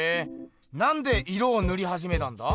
なんで色をぬりはじめたんだ？